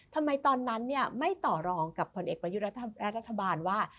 ทำไมตอนนั้นเนี่ยไม่ต่อรองกับคนเอกประยุรัฐรัฐบาลว่า